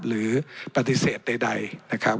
หรือปฏิเสธใดนะครับ